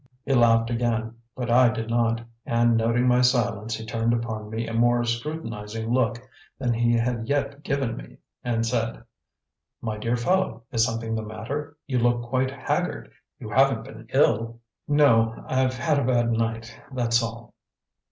He laughed again, but I did not, and noting my silence he turned upon me a more scrutinising look than he had yet given me, and said: "My dear fellow, is something the matter? You look quite haggard. You haven't been ill?" "No, I've had a bad night. That's all."